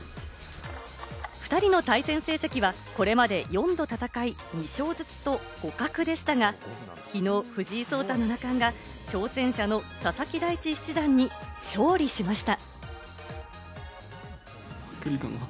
２人の対戦成績はこれまで４度戦い、２勝ずつと互角でしたが、きのう藤井聡太七冠が挑戦者の佐々木大地七段に勝利しました。